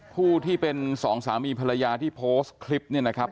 ผู้ที่เป็นสองสามีภรรยาที่โพสต์คลิปเนี่ยนะครับ